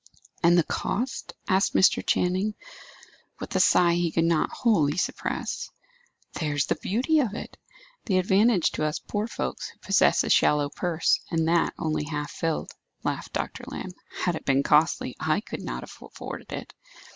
"And the cost?" asked Mr. Channing, with a sigh he could not wholly suppress. "There's the beauty of it! the advantage to us poor folks, who possess a shallow purse, and that only half filled," laughed Dr. Lamb. "Had it been costly, I could not have afforded it.